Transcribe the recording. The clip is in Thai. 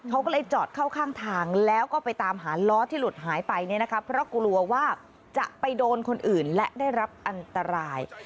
เขาก็เลยจอดเข้าข้างทางแล้วก็ไปตามหาล้อที่หลุดหายไปเนี่ยนะคะเพราะกลัวว่าจะไปโดนคนอื่นและได้รับอันตราย